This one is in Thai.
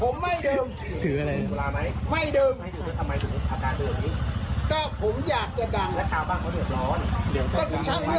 นี่ทุกคนที่พูดไม่รู้เรื่องคือถ่ายตัวเอง